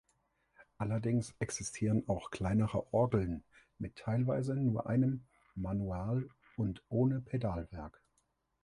Allerdings existieren auch kleinere Orgeln mit teilweise nur einem Manual und ohne Pedalwerk.